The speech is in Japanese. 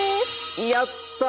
やった！